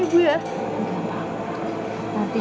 pasti bapakmu sekarang belum mati